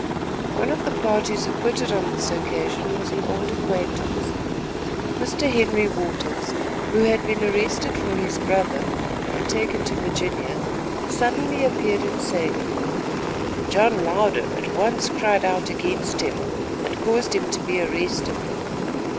One of the parties acquitted on this occasion was an old acquaintance. Mr. Henry Waters, who had been arrested for his brother and taken to Virginia, suddenly appeared in Salem. John Louder, at once cried out against him and caused him to be arrested.